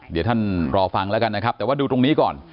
เดี๋ยวท่านรอฟังแล้วกันนะครับแต่ว่าดูตรงนี้ก่อน